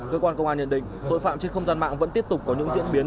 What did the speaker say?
cơ quan công an nhận định tội phạm trên không gian mạng vẫn tiếp tục có những diễn biến